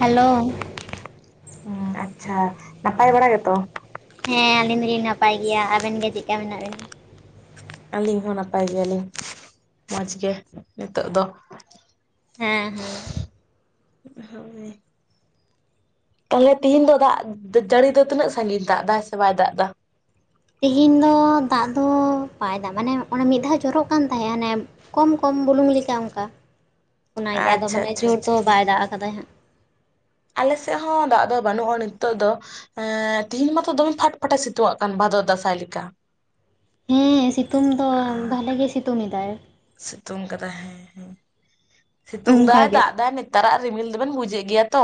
Hello. ᱩᱸ ᱟᱪᱪᱷᱟ᱾ ᱱᱟᱯᱟᱭ ᱵᱟᱲᱟ ᱜᱮᱛᱚ? ᱦᱮᱸ ᱟᱹᱞᱤᱧ ᱫᱚᱞᱤᱧ ᱱᱟᱯᱟᱭ ᱜᱮᱭᱟ᱾ ᱟᱵᱮᱱ ᱜᱮ ᱪᱮᱜᱠᱟ ᱢᱮᱱᱟᱜ ᱵᱮᱱᱟ? ᱟᱹᱞᱤᱧ ᱦᱚᱸ ᱱᱟᱯᱟᱭ ᱜᱮᱭᱟᱞᱤᱧ, ᱢᱚᱡᱽ ᱜᱮ ᱱᱤᱛᱚᱜ ᱫᱚ᱾ ᱦᱮᱸ, ᱦᱮᱸ᱾ ᱦᱳᱭ᱾ ᱛᱟᱦᱞᱮ ᱛᱤᱦᱤᱧ ᱫᱚ ᱫᱟᱜ ᱡᱟ-ᱡᱟᱹᱲᱤ ᱫᱚ ᱛᱤᱱᱟᱹᱜ ᱥᱟᱺᱜᱤᱧ ᱫᱟᱜ ᱫᱟᱭ ᱥᱮ ᱵᱟᱭ ᱫᱟᱜ ᱫᱟ? ᱛᱤᱦᱤᱧ ᱫᱚ ᱫᱟᱜ ᱫᱚ ᱵᱟᱭ ᱫᱟᱜ ᱢᱟᱱᱮ ᱡᱚᱜ ᱠᱟᱱᱟ ᱢᱤᱜ ᱫᱷᱟᱣ ᱡᱚᱨᱚᱜ ᱠᱟᱱ ᱛᱟᱦᱮᱸ ᱦᱟᱱᱮ ᱠᱚᱢ ᱠᱚᱢ ᱵᱩᱞᱩᱝ ᱞᱮᱠᱟ ᱚᱝᱠᱟ᱾ [inaudible] ᱚᱱᱟᱜᱮ ᱟᱫᱚ ᱢᱟᱱᱮ ᱟᱪᱪᱷᱟ ᱡᱳᱨ ᱟᱪᱪᱷᱟ ᱫᱚ ᱵᱟᱭ ᱫᱟᱜ ᱠᱟᱫᱟ ᱦᱟᱸᱜ᱾ ᱟᱞᱮ ᱥᱮᱫ ᱦᱚᱸ ᱫᱟᱜ ᱫᱚ ᱵᱟᱱᱩᱜᱼᱟ ᱱᱤᱛᱚᱜ ᱫᱚ᱾ ᱮᱸ ᱛᱤᱦᱤᱧ ᱢᱟᱛᱚ ᱫᱚᱢᱮ ᱯᱷᱟᱴᱯᱷᱟᱴᱮ ᱥᱤᱛᱩᱝᱟᱜ ᱠᱟᱱ ᱵᱷᱟᱫᱚᱨ ᱫᱟᱸᱥᱟᱭ ᱞᱮᱠᱟ᱾ ᱦᱮᱸ ᱥᱤᱛᱩᱝ ᱫᱚ ᱵᱷᱟᱞᱮ ᱜᱮ ᱥᱤᱛᱩᱝ ᱮᱫᱟᱭ᱾ ᱥᱤᱛᱩᱝ ᱠᱟᱫᱟᱭ ᱦᱮᱸ ᱦᱮᱸ ᱥᱤᱛᱩᱝ ᱚᱱᱠᱟ ᱫᱟᱭ ᱜᱮ ᱫᱟᱜ ᱫᱟᱭ ᱱᱮ ᱛᱟᱨᱟᱜ ᱨᱤᱢᱤᱞ ᱫᱚᱵᱮᱱ ᱵᱩᱡᱮᱫ ᱜᱮᱭᱟ ᱛᱚ?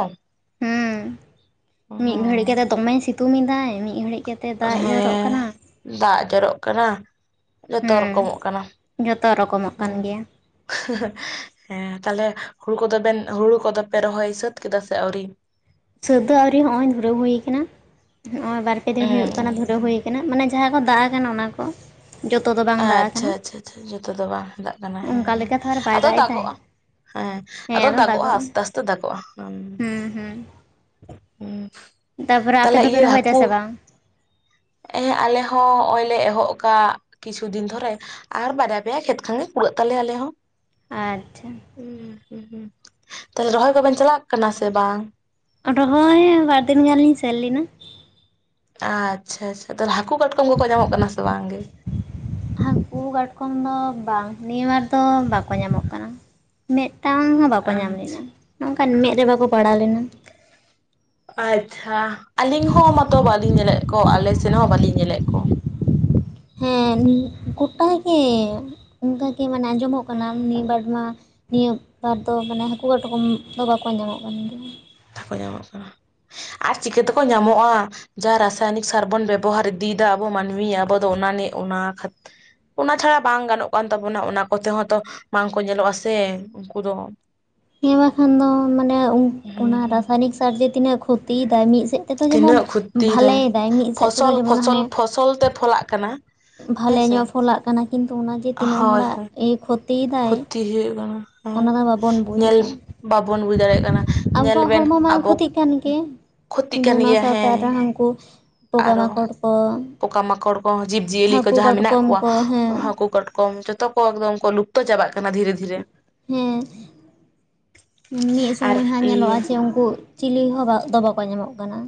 ᱦᱩᱸ ᱢᱤᱫ ᱜᱷᱟᱹᱲᱤ ᱦᱩᱸ ᱠᱟᱛᱮ ᱫᱚᱢᱮ ᱥᱤᱛᱩᱝ ᱮᱫᱟᱭ᱾ ᱜᱷᱟᱹᱲᱤᱡ ᱠᱟᱛᱮ ᱫᱟᱜ ᱡᱚᱨᱚᱜ ᱠᱟᱱᱟ ᱦᱮᱸ ᱫᱟᱜ ᱡᱚᱨᱚᱜ ᱠᱟᱱᱟ, ᱡᱷᱚᱛᱚ ᱦᱮᱸ ᱨᱚᱠᱚᱢᱚᱜ ᱠᱟᱱᱟ ᱡᱚᱛᱚ ᱨᱚᱠᱚᱢᱚᱜ ᱠᱟᱱ ᱦᱩᱸ᱾ ᱜᱮᱭᱟ ᱦᱮᱸ ᱛᱟᱦᱞᱮ ᱦᱩᱲᱩ ᱠᱚᱫᱚ ᱵᱮᱱ ᱦᱩᱲᱩ ᱠᱚᱫᱚ ᱯᱮ ᱨᱚᱦᱚᱭ ᱥᱟᱹᱛ ᱠᱮᱫᱟ ᱥᱮ ᱟᱹᱣᱨᱤ? ᱥᱟᱹᱫ ᱫᱚ ᱟᱣᱨᱤ ᱦᱚᱜ-ᱚᱭ ᱫᱷᱩᱨᱟᱹᱣ ᱦᱩᱭ ᱠᱟᱱᱟ ᱱᱚᱜᱼᱚᱭ ᱵᱟᱨ ᱯᱮ ᱫᱤᱱ ᱦᱩᱭᱩᱜ ᱠᱟᱱᱟ ᱦᱩᱸ ᱫᱷᱩᱨᱟᱹᱣ ᱦᱩᱭ ᱠᱟᱱᱟ ᱢᱟᱱᱮ ᱡᱟᱦᱟᱸ ᱠᱚ ᱫᱟᱜ ᱠᱟᱱᱟ ᱚᱱᱟ ᱠᱚ᱾ ᱡᱚᱛᱚ ᱫᱚ ᱵᱟᱝ ᱫᱟᱜ ᱟᱪᱪᱷᱟ ᱟᱠᱟᱱᱟ ᱟᱪᱪᱷᱟ ᱪᱷᱟ ᱡᱷᱚᱛᱚ ᱫᱚ ᱵᱟᱝ ᱫᱟᱜ ᱠᱟᱱᱟ ᱦᱮᱸ ᱚᱱᱠᱟ ᱦᱮᱸ ᱞᱮᱠᱟ ᱛᱚ ᱟᱨ ᱵᱟᱭ ᱟᱫᱚ ᱫᱟᱜ ᱮᱫᱟᱭ ᱫᱟᱜᱚᱜᱼᱟ᱾ ᱦᱮᱸ ᱟᱫᱚ ᱫᱟᱜᱚᱜᱼᱟ ᱟᱥᱛᱮ ᱟᱥᱛᱮ ᱫᱟᱜᱚᱜᱼᱟ ᱦᱩᱸ᱾ ᱦᱩᱸ ᱦᱩᱸ᱾ ᱦᱩᱸ᱾ ᱛᱟᱯᱚᱨᱮ ᱟᱯᱮ ᱛᱟᱦᱚᱞᱮ ᱫᱚᱯᱮ ᱤᱭᱟᱹ ᱨᱚᱦᱚᱭ ᱫᱟ ᱦᱟᱹᱠᱩ ᱥᱮ ᱵᱟᱝ? ᱦᱮᱸ ᱟᱞᱮ ᱦᱚᱸ ᱚᱜᱼᱚᱭ ᱞᱮ ᱮᱦᱚᱵ ᱠᱟᱜ ᱠᱤᱪᱷᱩ ᱫᱤᱱ ᱫᱷᱚᱨᱮ, ᱟᱨ ᱵᱟᱨ ᱯᱮᱭᱟ ᱠᱷᱮᱛ ᱠᱷᱟᱱᱜᱮ ᱠᱩᱞᱟᱹᱜ ᱛᱟᱞᱮᱭᱟ ᱟᱞᱮ ᱦᱚᱸ᱾ ᱟᱪᱪᱷᱟ᱾ ᱦᱩᱸ ᱦᱩᱸ ᱛᱟᱦᱞᱮ ᱨᱚᱦᱚᱭ ᱠᱚᱵᱮᱱ ᱪᱟᱞᱟᱜ ᱠᱟᱱᱟ ᱥᱮ ᱵᱟᱝ? ᱨᱚᱦᱚᱭ ᱵᱟᱨᱫᱤᱱ ᱜᱟᱱ ᱞᱤᱧ ᱥᱮᱱ ᱞᱮᱱᱟ᱾ ᱟᱪᱪᱷᱟ ᱟᱪᱪᱷᱟ ᱛᱟᱞᱦᱮ ᱦᱟᱹᱠᱩ ᱠᱟᱴᱠᱚᱢ ᱠᱚᱠᱚ ᱧᱟᱢᱚᱜ ᱠᱟᱱᱟ ᱥᱮ ᱵᱟᱝ ᱜᱮ? ᱦᱟᱹᱠᱩ ᱠᱟᱴᱠᱚᱢ ᱫᱚ ᱵᱟᱝ ᱱᱤᱭᱟᱹ ᱵᱟᱨ ᱫᱚ ᱵᱟᱠᱚ ᱧᱟᱢᱚᱜ ᱠᱟᱱᱟ, ᱢᱤᱫᱴᱟᱝ ᱦᱚᱸ ᱵᱟᱠᱚ ᱧᱟᱢ ᱟᱪᱪᱷᱟ ᱞᱮᱱᱟ ᱱᱚᱝᱠᱟᱱ ᱢᱮᱫ ᱨᱮ ᱵᱟᱠᱚ ᱯᱟᱲᱟᱣ ᱞᱮᱱᱟ᱾ ᱟᱪᱪᱷᱟ ᱟᱹᱞᱤᱧ ᱦᱚᱸ ᱢᱚᱛᱚ ᱵᱟᱞᱤᱧ ᱧᱮᱞᱮᱜ ᱠᱚ ᱟᱞᱮ ᱥᱮᱱ ᱦᱚᱸ ᱵᱟᱞᱤᱧ ᱧᱮᱞᱮᱜ ᱠᱚ᱾ ᱦᱮᱸ ᱜᱚᱴᱟ ᱜᱮ ᱚᱱᱠᱟ ᱜᱮ ᱢᱟᱱᱮ ᱟᱡᱚᱢᱚᱜ ᱠᱟᱱᱟ ᱦᱮᱸ ᱱᱤᱭᱟᱹ ᱵᱟᱨ ᱢᱟ ᱱᱤᱭᱟᱹ ᱵᱟᱨ ᱫᱚ ᱢᱟᱱᱮ ᱦᱟᱹᱠᱩ ᱠᱟᱴᱠᱚᱢ ᱫᱚ ᱵᱟᱠᱚ ᱧᱟᱢᱚᱜ ᱠᱟᱱ ᱜᱮᱭᱟ᱾ ᱫᱟᱠᱚ ᱧᱟᱢᱚᱜ ᱠᱟᱱᱟ, ᱟᱨ ᱪᱤᱠᱟᱹ ᱛᱮᱠᱚ ᱧᱟᱢᱚᱜᱼᱟ ᱡᱟ ᱨᱟᱥᱟᱭᱚᱱᱤᱠ ᱥᱟᱨ ᱵᱚᱱ ᱵᱮᱵᱚᱦᱟᱨ ᱤᱫᱤᱭᱮᱫᱟ ᱟᱵᱚ ᱢᱟᱹᱱᱢᱤ ᱟᱵᱚ ᱫᱚ ᱚᱱᱟᱱᱮ ᱚᱱᱟ ᱠᱷᱟᱡ ᱚᱱᱟ ᱪᱷᱟᱲᱟ ᱵᱟᱝ ᱜᱟᱱᱚᱜ ᱠᱟᱱ ᱛᱟᱵᱚᱱᱟ ᱚᱱᱟ ᱠᱚᱛᱮ ᱦᱚᱸ ᱛᱚ ᱵᱟᱝᱠᱚ ᱧᱮᱞᱚᱜᱼᱟ ᱥᱮ? ᱩᱱᱠᱩ ᱫᱚ᱾ ᱦᱮᱸ ᱵᱟᱠᱷᱟᱱ ᱫᱚ ᱢᱟᱱᱮ ᱩᱸ ᱚᱱᱟ ᱦᱩᱸ ᱨᱟᱥᱟᱭᱱᱤᱠ ᱥᱟᱨ ᱡᱮ ᱛᱤᱱᱟᱹᱜ ᱠᱷᱚᱛᱤᱭ ᱫᱟᱭ ᱢᱤᱫ ᱥᱮᱫ ᱛᱮᱫᱚ ᱡᱮᱢᱚᱱ ᱛᱤᱱᱟᱹᱜ ᱠᱷᱚᱛᱤᱭᱮᱫᱟᱭ ᱵᱷᱟᱞᱮᱭ ᱫᱟᱭ ᱢᱤᱫ ᱥᱮᱫ ᱛᱮᱫᱚ ᱯᱷᱚᱥᱚᱞ ᱡᱮᱢᱚᱱ ᱯᱷᱚᱥᱚᱞ ᱦᱟᱸᱱᱮ ᱯᱷᱚᱥᱚᱞ ᱛᱮ ᱯᱷᱚᱞᱟᱜ ᱠᱟᱱᱟ ᱵᱷᱟᱞᱮ ᱦᱮᱸᱥᱮ ᱧᱚᱜ ᱯᱷᱚᱞᱟᱜ ᱠᱟᱱᱟ ᱠᱤᱱᱛᱩ ᱚᱱᱟ ᱡᱮ ᱛᱤᱱᱟᱹᱜ ᱦᱳᱭ ᱦᱚᱲᱟᱜ ᱦᱳᱭ ᱮ ᱠᱷᱚ ᱠᱷᱚᱛᱤ ᱦᱩᱭᱩᱜ ᱠᱟᱱᱟ᱾ ᱵᱟᱵᱚᱱ ᱵᱩᱡᱽ ᱧᱮᱞ ᱮᱫᱟ ᱵᱟᱵᱚᱱ ᱵᱩᱡᱽ ᱫᱟᱲᱮᱭᱟᱜ ᱠᱟᱱᱟ ᱧᱮᱞ ᱟᱵᱚᱣᱟᱜ ᱵᱮᱱ ᱦᱚᱲᱢᱚ ᱢᱟ ᱟᱵᱚ ᱠᱷᱚᱛᱤᱜ ᱠᱟᱱ ᱜᱮ ᱠᱷᱚᱛᱤᱜ ᱠᱟᱱ ᱜᱮᱭᱟ ᱦᱮᱸ᱾ ᱯᱚᱜᱟ ᱟᱨᱚ ᱢᱟᱠᱚᱲ ᱠᱚ᱾ ᱯᱚᱠᱟ ᱢᱟᱠᱚᱲ ᱠᱚ ᱡᱤᱵᱽ ᱡᱤᱭᱟᱹᱞᱤ ᱠᱚ ᱦᱟᱹᱠᱩ ᱡᱟᱦᱟᱸ ᱢᱮᱱᱟᱜ ᱠᱟᱴᱠᱚᱢ ᱠᱚᱣᱟ ᱠᱚ ᱦᱮᱸ ᱟ ᱦᱟᱹᱠᱩ ᱠᱟᱴ ᱠᱚ ᱡᱷᱚᱛᱚ ᱠᱚ ᱮᱠᱫᱚᱢ ᱠᱚ ᱞᱩᱯᱛᱚ ᱪᱟᱵᱟᱜ ᱠᱟᱱᱟ ᱫᱷᱤᱨᱮ ᱫᱷᱤ ᱦᱮᱸ ᱢᱤᱫ ᱟᱨ ᱥᱚᱢᱚᱭ ᱦᱟᱸᱜ ᱧᱮᱞᱚᱜᱼᱟ ᱤᱭᱟᱹ ᱡᱮ ᱩᱝᱠᱩ ᱪᱤᱞᱤ ᱦᱚᱸ ᱨᱟᱜ ᱫᱚ ᱵᱟᱠᱚ ᱧᱟᱢᱚᱜ ᱠᱟᱱᱟ᱾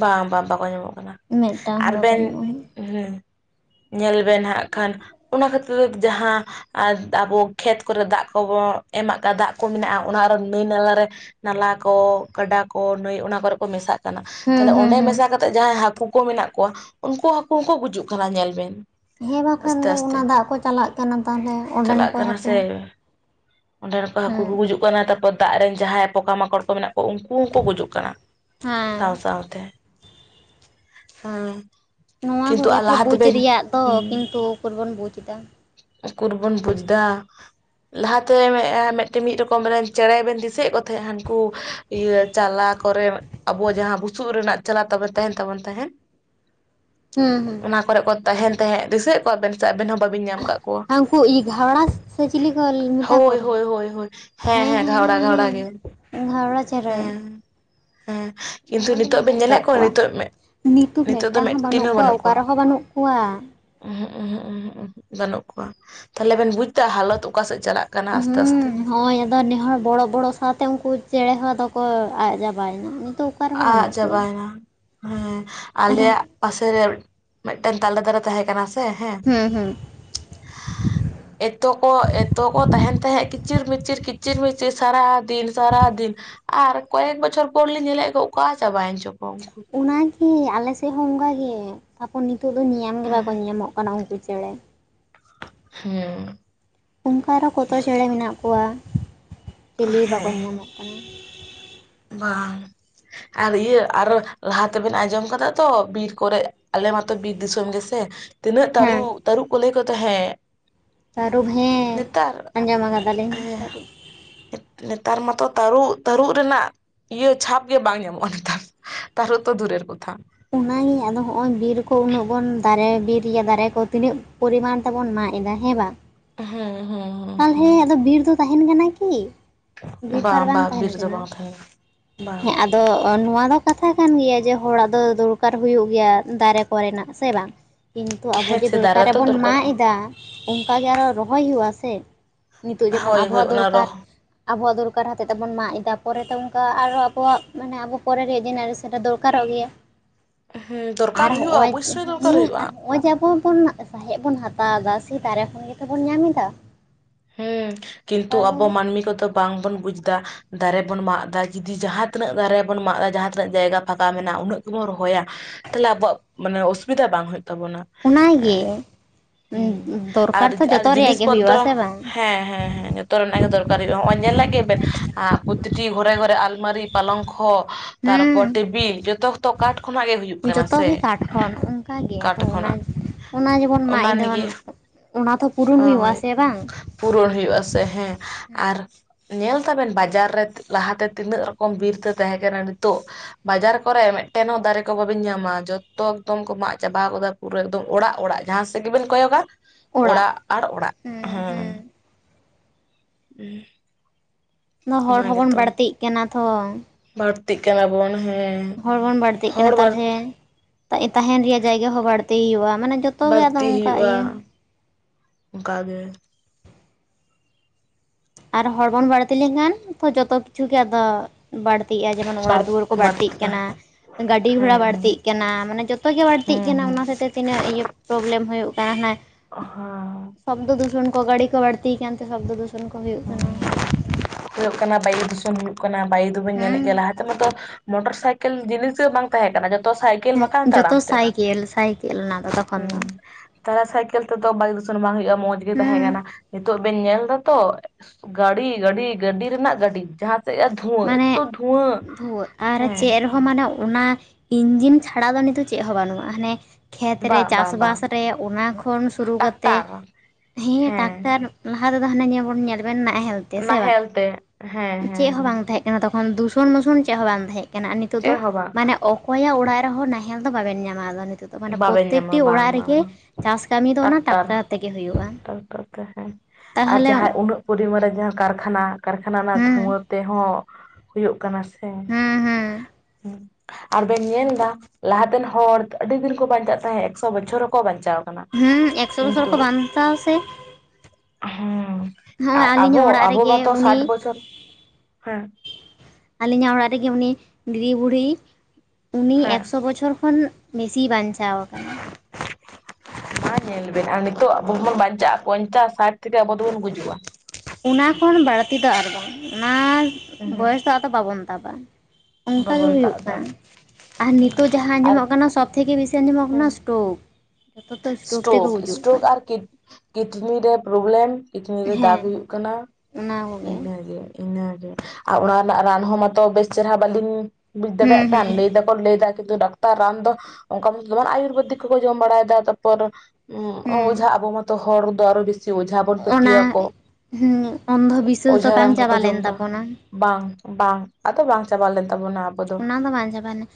ᱵᱟᱝ ᱵᱟᱝ ᱵᱟᱠᱚ ᱧᱟᱢᱚᱜ ᱠᱟᱱᱟ᱾ ᱢᱤᱫᱴᱟᱝ ᱦᱚᱸ ᱵᱟᱠᱚ ᱧᱮᱞᱚᱜ ᱦᱤᱜ᱾ ᱦᱮ ᱧᱮᱞ ᱵᱮᱱ ᱦᱟᱜ ᱠᱷᱟᱱ ᱚᱱᱟ ᱠᱷᱟᱹᱛᱤᱨ ᱡᱟᱦᱟ ᱟᱨ ᱟᱵᱚ ᱠᱷᱮᱛ ᱠᱚᱨᱮ ᱫᱟᱜ ᱠᱚᱵᱚᱱ ᱮᱢᱟᱜ ᱠᱟ ᱫᱟᱜ ᱠᱚ ᱢᱮᱱᱟᱜᱼᱟ ᱚᱱᱟ ᱟᱨᱚ ᱱᱟᱹᱭ ᱱᱟᱞᱟ ᱨᱮ ᱱᱟᱞᱟ ᱠᱚ ᱜᱟᱰᱟ ᱠᱚ ᱱᱟᱹᱭ ᱚᱱᱟ ᱠᱚᱨᱮ ᱠᱚ ᱢᱮᱥᱟᱜ ᱛᱟᱱᱟ᱾ ᱦᱩᱸ ᱛᱟᱦᱚᱞᱮ ᱦᱩᱸ ᱚᱸᱰᱮ ᱦᱩᱸ ᱢᱮᱥᱟ ᱠᱟᱛᱮᱜ ᱡᱟᱦᱟ ᱦᱟᱹᱠᱩ ᱠᱚ ᱢᱮᱱᱟᱜ ᱠᱚᱣᱟ ᱩᱱᱠᱩ ᱦᱟᱹᱠᱩ ᱦᱚᱸᱠᱚ ᱜᱩᱡᱩᱜ ᱠᱟᱱᱟ ᱧᱮᱞ ᱵᱮᱱ᱾ ᱦᱮᱸ ᱵᱟᱠᱷᱟᱱ ᱟᱥᱛᱮ ᱫᱚ ᱟᱥᱛᱮ ᱚᱱᱟ ᱫᱟᱜ ᱠᱚ ᱪᱟᱞᱟᱜ ᱠᱟᱱᱟ ᱛᱟᱦᱚᱞᱮ ᱚᱸᱰᱮᱱ ᱪᱟᱞᱟᱜ ᱠᱚ ᱠᱟᱱᱟ ᱦᱟᱹᱠᱩ ᱥᱮ [unintelligible] ᱚᱸᱰᱮᱱ ᱠᱚ ᱦᱟᱹᱠᱩ ᱠᱚ ᱦᱩᱸ ᱜᱩᱡᱩᱜ ᱠᱟᱱᱟ ᱛᱟᱨᱯᱚᱨ ᱫᱟᱜ ᱨᱮᱱ ᱡᱟᱦᱟᱸᱭ ᱯᱚᱠᱟ ᱢᱟᱠᱚᱲ ᱠᱚ ᱢᱮᱱᱟᱜ ᱠᱚ ᱩᱱᱠᱩ ᱦᱩᱠᱩ ᱜᱩᱡᱩᱜ ᱠᱟᱱᱟ ᱥᱟᱶ ᱦᱮᱸ ᱥᱟᱶ ᱛᱮ [inaudible] ᱦᱮᱸ ᱱᱚᱣᱟ ᱠᱤᱱᱛᱩ ᱠᱚᱜᱮ ᱟᱨ ᱛᱚ ᱞᱟᱦᱟ ᱵᱩᱡᱽ ᱛᱮᱵᱮᱱ ᱨᱮᱭᱟᱜ ᱫᱚ ᱠᱤᱱᱛᱩ ᱩᱠᱩᱨᱵᱩᱱ ᱵᱩᱡᱽ ᱮᱫᱟ᱾ ᱩᱠᱩᱨ ᱵᱚᱱ ᱵᱩᱡᱽᱫᱟ᱾ ᱞᱟᱦᱟᱛᱮ ᱢᱮᱜᱼᱟ ᱢᱤᱫᱴᱮᱱ ᱢᱤᱫ ᱨᱚᱠᱚᱢ ᱠᱳᱞᱮ ᱪᱮᱬᱮ ᱵᱮᱱ ᱫᱤᱥᱟᱹᱭᱮᱫ ᱠᱚ ᱛᱟᱦᱮᱸᱱᱟ ᱦᱟᱱᱠᱩ ᱤᱭᱟᱹ ᱪᱟᱞᱟ ᱠᱚᱨᱮ ᱟᱵᱚ ᱡᱟᱦᱟᱸ ᱵᱩᱥᱩᱵ ᱨᱮᱱᱟᱜ ᱪᱟᱞᱟ ᱛᱟᱵᱚ ᱛᱟᱦᱮᱱ ᱛᱟᱵᱚ ᱛᱟᱦᱮᱸᱫ᱾ [inaudible] ᱦᱩᱸ ᱦᱩᱸ ᱚᱱᱟ ᱠᱚᱨᱮ ᱠᱚ ᱛᱟᱦᱮᱱ ᱛᱟᱦᱮᱸᱫ ᱫᱤᱥᱟᱹᱭᱮᱫ ᱠᱚᱣᱟᱵᱮᱱ ᱥᱮ ᱟᱵᱮᱱ ᱦᱚ ᱵᱟᱵᱤᱱ ᱧᱟ ᱧᱟᱢ ᱠᱟᱜ ᱠᱚᱣᱟ [inaudible] ᱦᱟᱹᱱᱠᱩ ᱜᱷᱟᱣᱲᱟ ᱥᱮ ᱪᱤᱞᱤ ᱠᱚ ᱢᱮᱛᱟ ᱠᱚ ᱛᱟᱦᱮᱸᱫ ᱦᱳᱭᱻᱦᱳᱭᱻᱦᱳᱭᱻᱦᱳᱭ ᱦᱮᱸ ᱦᱮᱸ ᱜᱷᱟᱣᱲᱟ ᱜᱷᱟᱣᱲᱟ ᱜᱮ᱾ ᱜᱷᱟᱣᱲᱟ ᱪᱮᱬᱮᱸ᱾ ᱦᱮᱸ ᱦᱮᱸ ᱠᱤᱱᱛᱩ ᱱᱤᱛᱚᱜ ᱵᱮᱱ ᱧᱮᱞᱮᱫ ᱠᱚᱣᱟ ᱱᱤᱛᱚᱜ ᱢᱮ ᱱᱤᱛ ᱢᱤᱫᱴᱟᱝ ᱦᱚᱸ ᱵᱟᱹᱱᱩᱜ ᱠᱚᱣᱟ, ᱚᱠᱟ ᱨᱮᱦᱚᱸ ᱵᱟᱹᱱᱩᱜ ᱠᱚᱣᱟ᱾ ᱩᱸᱦᱩ ᱦᱩᱜ ᱩᱸ ᱦᱩᱜ ᱵᱟᱹᱱᱩᱜ ᱠᱚᱣᱟ ᱛᱟᱞᱦᱮ ᱵᱮᱱ ᱵᱩᱡᱽ ᱫᱟ ᱦᱟᱞᱚᱛ ᱚᱠᱟᱥᱮᱫ ᱪᱟᱞᱟᱜ ᱠᱟᱱᱟ ᱟᱥᱛᱮ ᱟᱥᱛᱮ ᱦᱩᱸ ᱦᱚᱭ ᱟᱫᱚ ᱱᱮᱦᱚᱨ ᱵᱚᱲᱚ ᱵᱚᱲᱚᱜ ᱥᱟᱶᱛᱮ ᱩᱱᱠᱩ ᱪᱮᱬᱮ ᱦᱚᱸ ᱟᱫᱚ ᱠᱚ ᱟᱜ ᱪᱟᱵᱟᱭᱮᱱᱟ ᱱᱤᱛᱩ ᱟᱜ ᱪᱟᱵᱟᱭᱮᱱᱟ ᱦᱮᱸ ᱟᱨ ᱟᱞᱮᱭᱟᱜ ᱯᱟᱥᱮᱨᱮ ᱢᱤᱫᱴᱮᱱ ᱛᱟᱞᱮ ᱫᱟᱨᱮ ᱛᱟᱦᱮᱸ ᱠᱟᱱᱟ ᱥᱮ ᱦᱮᱸ᱾ ᱦᱩᱸ ᱦᱩᱸ ᱮᱛᱚ ᱠᱚ ᱮᱛᱚ ᱠᱚ ᱛᱟᱦᱮᱱ ᱛᱟᱦᱮᱸᱫ ᱠᱤᱪᱤᱨᱼᱢᱤᱪᱤᱨ ᱠᱤᱪᱤᱨᱼᱢᱤᱪᱤᱨ ᱥᱟᱨᱟᱫᱤᱱ ᱥᱟᱨᱟᱫᱤᱱ ᱟᱨ ᱠᱚᱭᱮᱠ ᱵᱚᱪᱷᱚᱨ ᱯᱚᱨ ᱞᱤᱧ ᱧᱮᱞᱮᱜ ᱠᱚᱣᱟ ᱚᱠᱟ ᱪᱟᱵᱟᱭᱮᱱ ᱪᱚ ᱠᱚ ᱩᱱᱠᱩ᱾ ᱚᱱᱟᱜᱮ ᱟᱞᱮᱥᱮᱫ ᱦᱚᱸ ᱚᱱᱠᱟ ᱜᱮ, ᱛᱟᱯᱚᱨ ᱱᱤᱛᱚᱜ ᱫᱚ ᱧᱮᱧᱟᱢ ᱜᱮ ᱵᱟᱠᱚ ᱧᱮᱧᱟᱢᱚᱜ ᱠᱟᱱᱟ ᱩᱱᱠᱩ ᱪᱮᱬᱮ᱾ ᱦᱩᱸ ᱚᱱᱠᱟ ᱟᱨᱚ ᱠᱚᱛᱚ ᱪᱮᱬᱮ ᱢᱮᱱᱟᱜ ᱠᱚᱣᱟ ᱪᱤᱞᱤ ᱵᱟᱠᱚ ᱧᱮᱧᱟᱢᱚᱜ ᱠᱟᱱᱟ᱾ ᱵᱟᱼᱼᱝ ᱟᱨ ᱤᱭᱟᱹ ᱟᱨᱚ ᱞᱟᱦᱟ ᱛᱮᱵᱮᱱ ᱟᱸᱡᱚᱢ ᱠᱟᱫᱟ ᱛᱚ ᱵᱤᱨ ᱠᱚᱨᱮ ᱟᱞᱮ ᱢᱟᱛᱚ ᱵᱤᱨ ᱫᱤᱥᱚᱢ ᱜᱮ ᱥᱮ᱾ ᱛᱤᱱᱟᱹᱜ ᱦᱮᱸ ᱛᱟᱹᱨᱩᱜ ᱛᱟᱹᱨᱩᱜ ᱠᱚ ᱞᱟᱹᱭ ᱠᱚ ᱛᱟᱦᱮᱸᱜ᱾ ᱛᱟᱹᱨᱚᱵ ᱦᱮᱸ ᱟᱸᱡᱚᱢᱟ ᱠᱟᱫᱟᱞᱤᱧ ᱦᱮᱸ ᱛᱟᱹᱨᱩ᱾ [unintelligible] ᱱᱮᱛᱟᱨ ᱢᱟᱛᱚ ᱛᱟᱹᱨᱩᱜ ᱛᱟᱹᱨᱩᱜ ᱨᱮᱱᱟᱜ ᱤᱭᱟᱹ ᱪᱷᱟᱯ ᱜᱮ ᱵᱟᱝ ᱧᱟᱢᱚᱜᱼᱟ ᱱᱮᱛᱟᱨ ᱛᱟᱨᱩᱜ ᱛᱚ ᱫᱩᱨᱮᱨ ᱠᱚᱛᱷᱟ᱾ ᱚᱱᱟᱜᱮ ᱟᱫᱚ ᱦᱚᱸᱜᱼᱚᱭ ᱵᱤᱨ ᱠᱚ ᱩᱱᱟᱹᱜ ᱵᱚᱱ ᱫᱟᱨᱮ ᱵᱤᱨᱭᱟ ᱫᱟᱨᱮ ᱠᱚ ᱛᱤᱱᱟᱹᱜ ᱯᱚᱨᱤᱢᱟᱱ ᱛᱮᱵᱚᱱ ᱢᱟᱜ ᱮᱫᱟ ᱦᱮᱸ ᱵᱟᱝ᱾ ᱦᱮᱸ ᱦᱮᱸ ᱦᱮᱸ ᱛᱟᱞᱦᱮ ᱟᱫᱚ ᱵᱤᱨ ᱫᱚ ᱛᱟᱦᱮᱸᱱ ᱠᱟᱱᱟ ᱠᱤ᱾ ᱵᱤᱨᱫᱷᱟᱨ ᱵᱟᱝ ᱛᱟᱦᱮᱱ ᱵᱤᱨ ᱫᱚ ᱠᱟᱱᱟ ᱵᱟᱝ ᱛᱟᱦᱮᱱᱟ ᱵᱟᱝ ᱦᱮᱸ [unintelligible] ᱛᱚ ᱱᱚᱣᱟ ᱫᱚ ᱠᱟᱛᱷᱟ ᱠᱟᱱ ᱜᱮᱭᱟ ᱡᱮ ᱦᱚᱲᱟᱜ ᱫᱚ ᱫᱚᱨᱠᱟᱨ ᱦᱩᱭᱩᱜ ᱜᱮᱭᱟ ᱫᱟᱨᱮ ᱠᱚᱨᱮᱱᱟᱜ ᱥᱮ ᱵᱟᱝ᱾ ᱠᱤᱱᱛᱩ ᱟᱵᱚ ᱦᱮᱸ ᱡᱮ ᱥᱮ ᱫᱚᱨᱠᱟᱨ ᱫᱟᱨᱟ ᱛᱚ ᱨᱮᱵᱚᱱ ᱢᱟᱜ ᱫᱚᱨᱠᱟᱨᱚᱜᱼᱟ ᱮᱫᱟ ᱚᱱᱠᱟ ᱜᱮ ᱟᱨᱚ ᱨᱚᱦᱚᱭ ᱦᱩᱭᱩᱜᱼᱟ ᱥᱮ᱾ ᱱᱤᱛᱩᱜ ᱡᱮᱢᱚᱱ ᱦᱳᱭ ᱦᱳᱭ ᱟᱵᱚᱣᱟᱜ ᱚᱱᱟ ᱫᱚᱨᱠᱟᱨ᱾ ᱨᱚᱦ ᱟᱵᱚᱣᱟᱜ ᱫᱚᱨᱠᱟᱨ ᱦᱚᱛᱮ ᱛᱮ ᱵᱚᱱ ᱢᱟᱜ ᱮᱫᱟ ᱯᱚᱨᱮᱛᱮ ᱚᱱᱠᱟ ᱟᱨᱚ ᱟᱵᱚᱣᱟᱜ ᱢᱟᱱᱮ ᱟᱵᱚ ᱯᱚᱨᱮ ᱨᱮᱭᱟᱜ ᱡᱮᱱᱟᱨᱮᱥᱚᱱ ᱨᱮ ᱫᱚᱨᱠᱟᱨᱚᱜ ᱜᱮᱭᱟ᱾ [inaudible] ᱫᱚᱨᱠᱟᱨ ᱟᱨ ᱦᱩᱭᱩᱜᱼᱟ ᱦᱚᱸᱜᱼᱚᱭ ᱚᱵᱚᱥᱥᱳᱭ ᱫᱚᱨᱠᱟᱨ ᱦᱩᱸ ᱟᱨ ᱦᱩᱭᱩᱜᱼᱟ ᱦᱚᱸᱜᱼᱚᱭ ᱡᱮ ᱟᱵᱚ ᱛᱚ ᱵᱚᱱ ᱥᱟᱦᱮᱸᱫ ᱵᱚᱱ ᱦᱟᱛᱟᱣ ᱫᱟ ᱥᱮ ᱫᱟᱨᱮ ᱠᱷᱚᱱ ᱜᱮᱛᱚ ᱵᱚᱱ ᱧᱟᱢ ᱮᱫᱟ᱾ ᱦᱩᱸ ᱠᱤᱱᱛᱩ ᱟᱵᱚ ᱛᱟᱦᱚᱞᱮ ᱢᱟᱹᱱᱢᱤ ᱠᱚᱫᱚ ᱵᱟᱝ ᱵᱚᱱ ᱵᱩᱡ ᱫᱟ ᱫᱟᱨᱮ ᱵᱚᱱ ᱢᱟᱜ ᱮᱫᱟ ᱡᱩᱫᱤ ᱡᱟᱦᱟᱸ ᱛᱤᱱᱟᱹᱜ ᱫᱟᱨᱮ ᱵᱚᱱ ᱢᱟᱜ ᱫᱟ ᱡᱟᱦᱟᱸ ᱛᱤᱱᱟᱹᱜ ᱡᱟᱭᱜᱟ ᱯᱷᱟᱸᱠᱟ ᱢᱮᱱᱟᱜᱼᱟ ᱩᱱᱟᱹᱜ ᱵᱚᱱ ᱨᱚᱦᱚᱭᱟ ᱛᱟᱦᱞᱮ ᱟᱵᱚᱣᱟᱜ ᱢᱟᱱᱮ ᱚᱥᱩᱵᱤᱫᱷᱟ ᱵᱟᱝ ᱦᱩᱭᱩᱜ ᱛᱟᱵᱚᱱᱟ᱾ ᱚᱱᱟᱜᱮ ᱦᱩᱸ ᱟᱨ ᱫᱚᱨᱠᱟᱨ ᱛᱚ ᱟᱨ ᱡᱚᱛᱚ ᱨᱮᱭᱟᱜ ᱡᱤᱱᱤᱥ ᱜᱮ ᱦᱩᱭᱩᱜᱼᱟ ᱯᱚᱛᱨᱚ ᱥᱮ ᱵᱟᱝ? ᱦᱮᱸ ᱦᱮᱸ ᱦᱮᱸ, ᱡᱷᱚᱛᱚ ᱨᱮᱱᱟᱜ ᱜᱮ ᱫᱚᱨᱠᱟᱨ ᱦᱩᱭᱩᱜᱼᱟ, ᱱᱚᱜ ᱚᱭ ᱧᱮᱞ ᱞᱮᱜ ᱜᱮᱭᱟ ᱵᱮᱱ ᱯᱨᱚᱛᱤᱴᱤ ᱜᱷᱚᱨᱮ ᱜᱷᱚᱨᱮ ᱟᱞᱢᱟᱨᱤ ᱯᱟᱞᱚᱝ ᱠᱷᱚ ᱛᱟᱨᱯᱚᱨ ᱦᱩᱸ ᱴᱮᱵᱤᱞ ᱡᱚᱛᱚ ᱛᱚ ᱠᱟᱴ ᱠᱷᱚᱱᱟᱜ ᱜᱮ ᱦᱩᱭᱩᱜ ᱠᱟᱱᱟ ᱡᱚᱛᱚ ᱥᱮ, ᱜᱮ ᱠᱟᱴ ᱠᱷᱚᱱ ᱚᱱᱠᱟ ᱜᱮ ᱠᱟᱴ ᱟᱫᱚ ᱚᱱᱟ ᱠᱷᱚᱱᱟᱜ ᱚᱱᱟ ᱡᱮᱵᱚᱱ ᱢᱟᱜ ᱚᱱᱟ ᱮᱫᱟ ᱱᱤᱭᱮ ᱚᱱᱟ ᱛᱚ ᱯᱩᱨᱚᱱ ᱦᱩᱭᱩᱜᱼᱟ ᱥᱮ ᱵᱟᱝ? ᱯᱩᱨᱚᱱ ᱦᱩᱭᱩᱜᱼᱟ ᱥᱮ ᱦᱮᱸ ᱟᱨ ᱧᱮᱞ ᱫᱟᱵᱮᱱ ᱵᱟᱡᱟᱨ ᱨᱮ ᱞᱟᱦᱟᱛᱮ ᱛᱤᱱᱟᱹᱜ ᱨᱚᱠᱚᱢ ᱵᱤᱨᱛᱮ ᱛᱟᱦᱮᱸ ᱠᱟᱱᱟ ᱱᱤᱛᱚᱜ ᱵᱟᱡᱟᱨ ᱠᱚᱨᱮ ᱢᱮᱫᱴᱮᱱ ᱦᱚᱸ ᱫᱟᱨᱮ ᱠᱚ ᱵᱟᱵᱤᱱ ᱧᱟᱢᱟ ᱡᱷᱚᱛᱚ ᱮᱠᱫᱚᱢ ᱠᱚ ᱢᱟᱜ ᱪᱟᱵᱟᱣ ᱠᱟᱫᱟ᱾ ᱯᱩᱨᱟᱹ ᱮᱠᱫᱚᱢ ᱚᱲᱟᱜ ᱚᱲᱟᱜ ᱡᱟᱦᱟᱸ ᱥᱮᱫ ᱜᱮᱵᱤᱱ ᱠᱚᱭᱚᱜᱟ ᱚᱲᱟᱜ ᱟᱨ ᱚᱲᱟᱜ ᱦᱮᱸ᱾ [inaudible] ᱦᱚᱲ ᱦᱚᱸᱵᱚᱱ ᱵᱟᱹᱲᱛᱤᱜ ᱠᱟᱱᱟ ᱛᱷᱚ᱾ ᱵᱟᱲᱛᱤᱜ ᱠᱟᱱᱟ ᱵᱚᱱ ᱦᱮᱸ᱾ ᱦᱚᱲ ᱵᱚᱱ ᱵᱟᱲᱛᱤᱜ ᱠᱟᱱᱟ ᱦᱚᱲ ᱵᱟᱨ ᱛᱟᱞᱦᱮ ᱛᱟᱦᱮᱱ ᱨᱮᱭᱟᱜ ᱡᱟᱭᱜᱟ ᱦᱚᱸ ᱵᱟᱲᱛᱤ ᱦᱩᱭᱩᱜᱼᱟ ᱢᱟᱱᱮ ᱡᱚᱛᱚ ᱛᱚᱵᱮ ᱟᱫᱚ ᱚᱝᱠᱟ ᱤᱭᱟᱹ ᱚᱝᱠᱟ ᱜᱮ ᱟᱨ ᱦᱚᱲ ᱵᱚᱱ ᱵᱟᱹᱲᱛᱤ ᱞᱮᱱᱠᱷᱟᱱ ᱛᱚ ᱡᱚᱛᱚ ᱠᱤᱪᱷᱩ ᱜᱮ ᱟᱫᱚ ᱵᱟᱲᱛᱤᱜᱼᱟ ᱡᱮᱢᱚᱱ ᱚᱲᱟᱜ ᱵᱟᱲ ᱫᱩᱣᱟᱹᱨ ᱠᱚ ᱵᱟᱲ ᱵᱟᱲᱛᱤᱜ ᱦᱮᱸ ᱠᱟᱱᱟ᱾ ᱜᱟᱹᱰᱤ ᱜᱷᱚᱲᱟ ᱦᱮᱸ ᱵᱟᱹᱲᱛᱤᱜ ᱠᱟᱱᱟ ᱢᱟᱱᱮ ᱡᱚᱛᱚᱜᱮ ᱜᱮ ᱵᱟᱹᱲᱛᱤᱜ ᱠᱟᱱᱟ ᱦᱮᱸ ᱚᱱᱟ ᱠᱷᱟᱛᱤᱨ ᱛᱤᱱᱟᱹᱜ ᱤᱭᱟᱹ ᱯᱨᱚᱵᱮᱞᱮᱢ ᱦᱩᱭᱩᱜ ᱠᱟᱱᱟ ᱱᱟᱭ ᱦᱮᱸ, ᱥᱚᱵᱽᱫᱚ ᱫᱩᱥᱚᱱ ᱠᱚ ᱜᱟᱹᱲᱤ ᱠᱚ ᱵᱟᱹᱲᱛᱤ ᱠᱟᱱᱛᱮ ᱥᱚᱵᱽᱫᱚ ᱫᱩᱥᱚᱱ ᱠᱚ ᱦᱩᱭᱩᱜ ᱠᱟᱱᱟ᱾ ᱦᱮᱸ ᱦᱩᱭᱩᱜ ᱠᱟᱱᱟ ᱵᱟᱭᱩ ᱫᱷᱩᱥᱚᱱ ᱦᱩᱭᱩᱜ ᱠᱟᱱᱟ ᱵᱟᱭᱩ ᱫᱚᱵᱚᱱ ᱧᱮᱞᱮᱜ ᱜᱮᱭᱟ ᱦᱮᱸ ᱞᱟᱦᱟᱛᱮ ᱛᱮᱢᱚᱱ ᱛᱚ ᱢᱚᱴᱚᱨ ᱥᱟᱭᱠᱮᱞ ᱡᱤᱱᱤᱥ ᱜᱮ ᱵᱟᱝ ᱛᱟᱦᱮᱸ ᱠᱟᱱᱟ ᱡᱚᱛᱚ ᱡᱚᱛᱚ ᱥᱟᱭᱠᱮᱞ ᱵᱟᱠᱷᱟᱱ ᱛᱟᱲᱟᱢ ᱡᱚᱛᱚ ᱛᱮ, ᱥᱟᱭᱠᱮᱞ ᱥᱟᱭᱠᱮᱞ ᱚᱱᱟ ᱫᱚ ᱛᱚᱠᱷᱚᱱ ᱦᱮᱸ ᱫᱚ ᱛᱟᱦᱞᱮ ᱥᱟᱭᱠᱮᱞ ᱛᱮᱫᱚ ᱵᱟᱭᱩ ᱫᱩᱥᱚᱱ ᱵᱟᱝ ᱦᱩᱭᱩᱜᱼᱟ ᱢᱚᱸᱡᱽ ᱜᱮ ᱛᱟᱦᱮᱸ ᱦᱩᱸ ᱠᱟᱱᱟ᱾ ᱱᱤᱛᱚᱜ ᱵᱮᱱ ᱧᱮᱞ ᱫᱟᱛᱚ ᱜᱟᱹᱲᱤ ᱜᱟᱹᱰᱤ ᱜᱟᱹᱰᱤ ᱨᱮᱱᱟᱜ ᱜᱟᱹᱰᱤ ᱡᱟᱦᱟᱸ ᱥᱮᱫ ᱫᱷᱩᱣᱟᱹ ᱢᱟᱱᱮ ᱮᱛᱚ ᱫᱷᱩᱣᱟᱹ ᱫᱷᱩᱣᱟᱹ ᱟᱨ ᱦᱮᱸ, ᱪᱮᱫ ᱢᱟᱱᱮ ᱚᱱᱟ ᱤᱧᱡᱤᱱ ᱪᱷᱟᱲᱟ ᱫᱚ ᱱᱤᱛᱚᱜ ᱪᱮᱫ ᱦᱚᱸ ᱵᱟᱹᱱᱩᱜᱼᱟ, ᱦᱟᱱᱮ ᱠᱷᱮᱛ ᱨᱮ ᱵᱟᱝ ᱪᱟᱥ ᱵᱟᱝ ᱵᱟᱝ ᱵᱟᱥ ᱨᱮ ᱚᱱᱟ ᱠᱷᱚᱱ ᱥᱩᱨᱩ ᱴᱟᱠᱴᱟᱨ ᱠᱟᱛᱮ, ᱦᱮᱸ ᱴᱟᱠᱴᱟᱨ ᱞᱟᱦᱟ ᱨᱮᱫᱚ ᱦᱟᱱᱮ ᱧᱮᱞᱵᱚᱱ ᱧᱮᱞ ᱵᱤᱱ ᱱᱟᱦᱮᱞ ᱛᱮ ᱱᱟᱦᱮᱞ ᱛᱮ ᱦᱮᱸ ᱦᱮᱸ ᱦᱮᱸ, ᱛᱟᱦᱮᱸᱜ ᱠᱟᱱᱟ ᱛᱚᱠᱷᱚᱱ ᱫᱩᱥᱚᱱᱼᱢᱩᱥᱚᱱ ᱪᱮᱫ ᱦᱚᱸ ᱵᱟᱝ ᱛᱟᱦᱮᱸ ᱠᱟᱱᱟ ᱟᱨ ᱱᱤᱛᱚᱜ ᱫᱚ ᱪᱮᱫ ᱦᱚᱸ ᱵᱟᱝ ᱢᱟᱱᱮ ᱚ ᱚᱠᱚᱭᱟᱜ ᱚᱲᱟᱜ ᱨᱮᱦᱚᱸ ᱱᱟᱦᱮᱞ ᱫᱚ ᱵᱟᱵᱮᱱ ᱧᱟᱢᱟ ᱟᱫᱚ ᱱᱤᱛᱚᱜ ᱢᱟᱱᱮ ᱵᱟᱵᱮᱱ ᱧᱟᱢᱟ ᱯᱨᱚᱛᱮᱠᱴᱤ ᱵᱟᱝ ᱚᱲᱟᱜ ᱵᱟᱝ ᱨᱮᱜᱮ ᱵᱟᱝ ᱪᱟᱥ ᱠᱟᱹᱢᱤ ᱫᱚ ᱚᱱᱟ ᱴᱟᱠᱴᱟᱨ ᱴᱨᱟᱠᱴᱟᱨ ᱛᱮᱜᱮ ᱦᱩᱭᱩᱜᱼᱟ᱾ ᱴᱟᱠᱴᱟᱨ ᱛᱮ ᱦᱮᱸ ᱟᱨ ᱛᱟᱦᱚᱞᱮ ᱡᱟᱦᱟᱸ ᱩᱱᱟᱹᱜ ᱯᱚᱨᱤᱢᱟᱱ ᱨᱮ ᱡᱟᱦᱟᱸ ᱠᱟᱨᱠᱷᱟᱱᱟ ᱠᱟᱨᱠᱷᱟᱱᱟ ᱚᱱᱟ ᱦᱮᱸ ᱫᱷᱩᱣᱟᱹ ᱛᱮᱦᱚᱸ ᱦᱩᱭᱩᱜ ᱠᱟᱱᱟ ᱥᱮ, ᱦᱮᱸ ᱦᱮᱸ ᱟᱨᱵᱮᱱ ᱧᱮᱞ ᱫᱟ ᱞᱟᱦᱟᱛᱮᱱ ᱦᱚᱲ ᱟᱰᱤ ᱫᱤᱱ ᱠᱚ ᱵᱟᱧᱪᱟᱜ ᱛᱟᱦᱮᱸ ᱮᱠᱥᱚ ᱵᱚᱪᱷᱚᱨ ᱦᱚᱸᱠᱚ ᱵᱟᱧᱪᱟᱣ ᱟᱠᱟᱱᱟ ᱦᱩᱸ ᱮᱠᱥᱚ ᱵᱚᱪᱷᱚᱨ ᱠᱚ ᱠᱤᱱᱛᱩ ᱵᱟᱱᱪᱟᱣ ᱥᱮ ᱦᱮᱸ ᱱᱚᱜᱼᱚᱭ ᱟᱨ ᱟᱵᱚ ᱟᱹᱞᱤᱧᱟᱜ ᱚᱲᱟᱜ ᱟᱵᱚ ᱨᱮᱜᱮ ᱢᱟᱛᱚ ᱥᱟᱴ ᱩᱱᱤ ᱵᱚᱪᱷᱚᱨ ᱦᱮᱸ ᱟᱹᱞᱤᱧᱟᱜ ᱚᱲᱟᱜ ᱨᱮᱜᱮ ᱩᱱᱤ ᱫᱤᱫᱤ ᱵᱩᱲᱦᱤ ᱩᱱᱤ ᱦᱮᱸ ᱮᱠᱥᱚ ᱵᱚᱪᱷᱚᱨ ᱠᱷᱚᱱ ᱵᱮᱥᱤᱭ ᱵᱟᱧᱪᱟᱣ ᱟᱠᱟᱱᱟ ᱾ ᱢᱟ ᱧᱮᱞ ᱵᱮᱤᱱ ᱟᱨ ᱱᱤᱛᱳᱜ ᱟᱵᱚ ᱵᱚᱱ ᱵᱟᱧᱪᱟᱜᱼᱟ ᱯᱚᱧᱪᱟ ᱥᱟᱴ ᱛᱮᱜᱮ ᱟᱵᱚ ᱫᱚᱵᱚᱱ ᱜᱩᱡᱩᱜᱼᱟ ᱾ ᱚᱱᱟ ᱠᱷᱚᱱ ᱵᱟᱹᱲᱛᱤ ᱫᱚ ᱟᱨ ᱵᱟᱝ ᱚᱱᱟ ᱩᱸᱦᱩᱜ ᱵᱚᱭᱮᱥ ᱫᱚ ᱟᱫᱚ ᱵᱟᱵᱚᱱ ᱛᱟᱵᱟ ᱾ ᱚᱱᱠᱟᱜᱮ ᱵᱟᱵᱚᱱ ᱛᱟᱜ ᱦᱩᱭᱩᱜ ᱮᱫᱟ ᱠᱟᱱᱟ ᱟᱨ ᱱᱤᱛᱚᱜ ᱡᱟᱦᱟᱸ ᱟᱨ ᱟᱸᱡᱚᱢᱚᱜ ᱠᱟᱱᱟ ᱥᱚᱵ ᱛᱷᱮᱠᱮ ᱵᱤᱥᱤ ᱟᱸᱡᱚᱢᱚᱜ ᱠᱟᱱᱟ ᱦᱮᱸ ᱥᱴᱳᱠ ᱡᱚᱛᱚ ᱛᱚ ᱛᱮᱠᱚ ᱥᱴᱳᱠ ᱜᱩᱡᱩᱜ ᱥᱴᱳᱠ ᱠᱟᱱᱟ ᱟᱨ ᱠᱤᱰᱱᱤᱨ ᱨᱮ ᱯᱨᱚᱵᱞᱮᱢ ᱠᱤᱰᱱᱤᱨ ᱨᱮ ᱦᱮᱸ ᱫᱟᱜᱽ ᱦᱩᱭᱩᱜ ᱠᱟᱱᱟ, ᱚᱱᱟ ᱠᱚᱜᱮ ᱤᱱᱟᱹᱜᱮ ᱤᱱᱟᱹᱜᱮ ᱟᱨ ᱚᱱᱟ ᱨᱮᱱᱟᱜ ᱨᱟᱱ ᱦᱚᱸ ᱢᱟᱛᱚ ᱵᱮᱥ ᱪᱮᱨᱦᱨᱟ ᱵᱟᱹᱞᱤᱧ ᱦᱩᱸ ᱵᱩᱡᱫᱟᱲᱮᱭᱟᱜ ᱠᱟᱱ ᱦᱩᱸ ᱞᱟᱹᱭᱫᱟᱢ ᱠᱚ ᱞᱟᱹᱭᱫᱟ ᱠᱤᱱᱛᱩ ᱰᱟᱠᱛᱟᱨ ᱨᱟᱱ ᱫᱚ ᱚᱱᱠᱟ ᱡᱮᱢᱚᱱ ᱟᱭᱩᱨᱵᱮᱫᱤᱠ ᱠᱚᱠᱚ ᱡᱚᱢ ᱵᱟᱲᱟᱭᱮᱫᱟ ᱛᱟᱨᱯᱚᱨ ᱢᱢ ᱦᱩᱸ ᱚᱡᱷᱟ ᱟᱵᱚ ᱢᱟᱛᱚ ᱦᱚᱲ ᱫᱚ ᱟᱨᱚ ᱵᱤᱥᱤ ᱚᱱᱟ ᱦᱢ ᱚᱱᱫᱷᱚ ᱵᱤᱥᱟᱹᱥ ᱫᱚ ᱚᱡᱷᱟ ᱵᱟᱝ ᱨᱟᱱ ᱪᱟᱵᱟ ᱠᱚᱠᱚ ᱞᱮᱱ ᱡᱚᱢ ᱮᱫᱟ ᱛᱟᱵᱚᱱᱟ ᱾ ᱵᱟᱝ ᱵᱟᱝ ᱟᱫᱚ ᱵᱟᱝ ᱪᱟᱵᱟ ᱞᱮᱱ ᱛᱟᱵᱚᱱᱟ ᱟᱵᱚ ᱫᱚ ᱾ ᱚᱱᱟ ᱫᱚ ᱵᱟᱝ ᱪᱟᱵᱟ ᱞᱮᱱᱟ,